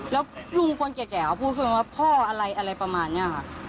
แล้วลุงคนแก่เขาพูดซึ่งว่าพ่ออะไรประมาณนี้ค่ะ